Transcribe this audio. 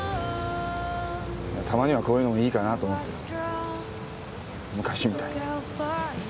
たまにはこういうのもいいかなと思って昔みたいに。